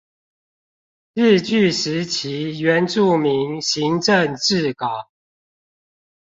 日據時期原住民行政志稿